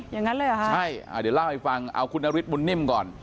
อย่างนั้นเลยเหรอฮะใช่อ่าเดี๋ยวเล่าให้ฟังเอาคุณนฤทธบุญนิ่มก่อน